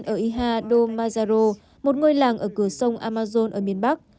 tôi đang ở iha do mazaro một ngôi làng ở cửa sông amazon ở miền bắc